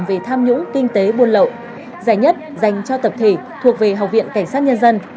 về tham nhũng kinh tế buôn lậu giải nhất dành cho tập thể thuộc về học viện cảnh sát nhân dân